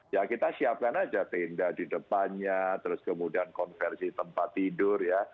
ya kita siapkan aja tenda di depannya terus kemudian konversi tempat tidur ya